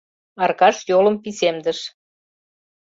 Аркаш йолым писемдыш.